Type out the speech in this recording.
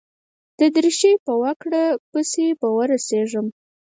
د درېشۍ په وکړه پسې به ورسېږم.